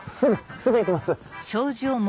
すぐ行きます！